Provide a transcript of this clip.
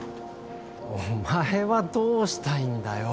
お前はどうしたいんだよ